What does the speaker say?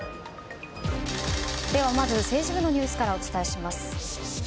ではまず、政治部のニュースからお伝えします。